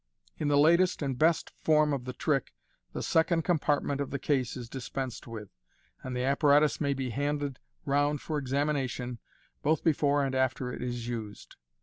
In the latest and best form of the trick, the second compartmem of the case is dispensed with, and the apparatus may be handed round for examination both before and after it is used.